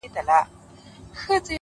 د نورو بریا الهام کېدای شي